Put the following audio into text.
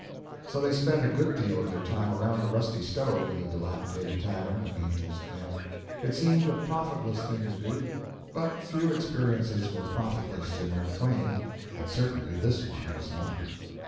So they spent a good deal of their time around the rusty stove in the dilapidated tavern at Angel's Camp. It seemed a profitless thing to do, but few experiences were profitless to Mark Twain, and certainly this one was not.